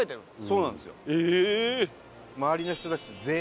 そうなんですか。